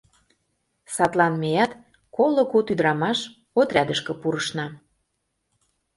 Садлан меат, коло куд ӱдырамаш, отрядышке пурышна.